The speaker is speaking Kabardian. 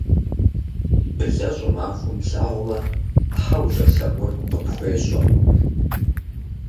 Блэ щӏымахуэм плъагъумэ, тхьэ ущӏелъэӏур къыпхуещӏэ.